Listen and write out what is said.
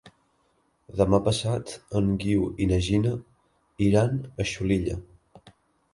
Demà passat en Guiu i na Gina iran a Xulilla.